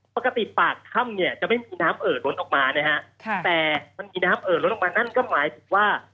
ปกติปากถ้ำเนี่ยจะไม่มีน้ำเอ่อล้นออกมานะฮะค่ะแต่มันมีน้ำเอ่อล้นออกมานั่นก็หมายถึงว่า